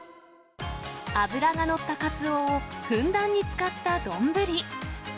脂が乗ったカツオをふんだんに使った丼。